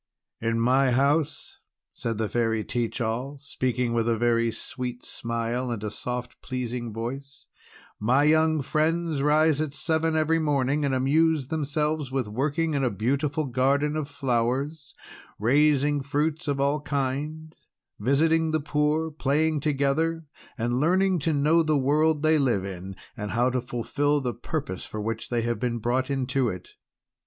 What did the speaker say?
"In my house," said the Fairy Teach All, speaking with a very sweet smile, and a soft, pleasing voice, "my young friends rise at seven every morning, and amuse themselves with working in a beautiful garden of flowers, raising fruits of all kinds, visiting the poor, playing together, and learning to know the world they live in and how to fulfill the purposes for which they have been brought into it.